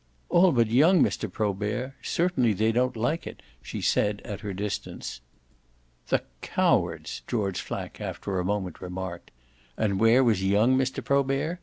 "All but young Mr. Probert. Certainly they don't like it," she said at her distance. "The cowards!" George Flack after a moment remarked. "And where was young Mr. Probert?"